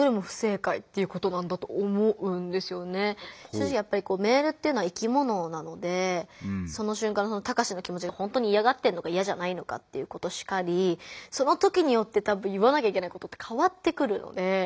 正直やっぱりメールっていうのは生きものなのでその瞬間のタカシの気もちがほんとにいやがってるのかいやじゃないのかっていうことしかりその時によって多分言わなきゃいけないことって変わってくるので。